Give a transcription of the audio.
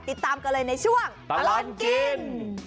ติดตามกันเลยในช่วงตลอดกิน